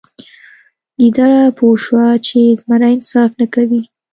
ګیدړه پوه شوه چې زمری انصاف نه کوي.